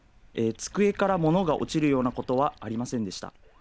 机から物が落ちるようなことはありませんでした。